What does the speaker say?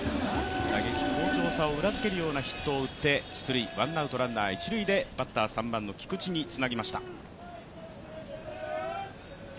打撃の好調さを裏付けるように出塁ワンアウトランナー、一塁でバッター菊池につなぎました。